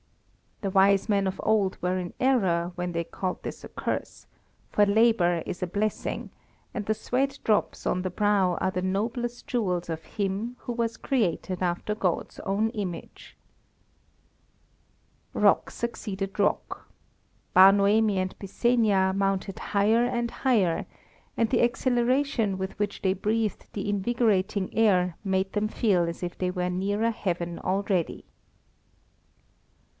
The wise men of old were in error when they called this a curse, for labour is a blessing, and the sweat drops on the brow are the noblest jewels of him who was created after God's own image. Rock succeeded rock. Bar Noemi and Byssenia mounted higher and higher, and the exhilaration with which they breathed the invigorating air made them feel as if they were nearer heaven already.